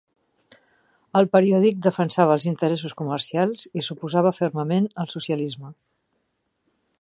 El periòdic defensava els interessos comercials i s'oposava fermament al socialisme.